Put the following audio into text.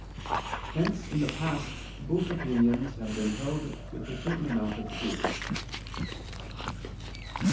Hence in the past both opinions have been held with a certain amount of truth.